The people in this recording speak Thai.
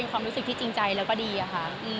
เขาจีบแล้วไหม